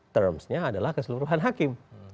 term nya adalah keseluruhan hakim